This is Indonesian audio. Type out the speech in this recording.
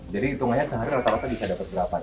jadi hitungannya sehari rata rata bisa dapat berapa nih